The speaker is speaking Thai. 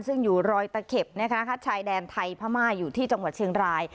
ซึ่งอยู่รอยตะเข็บนะคะชายแดนไทยพม่าอยู่ที่จังหวัดเชียงราย